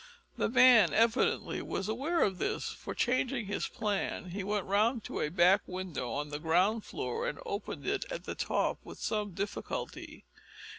The man evidently was aware of this, for, changing his plan, he went round to a back window on the ground floor, and opened it at the top with some difficulty.